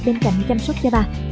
bên cạnh chăm sóc cho bà